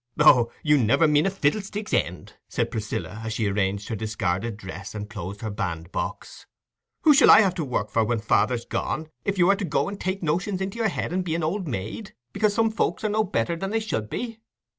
"Oh, you never mean a fiddlestick's end!" said Priscilla, as she arranged her discarded dress, and closed her bandbox. "Who shall I have to work for when father's gone, if you are to go and take notions in your head and be an old maid, because some folks are no better than they should be?